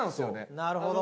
なるほど。